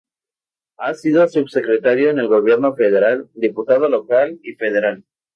Ha sido subsecretario en el gobierno federal, diputado local y federal.